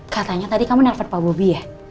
katanya tadi kamu nelfon pak bobi ya